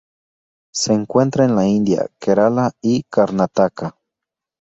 Se encuentra en la India: Kerala y Karnataka.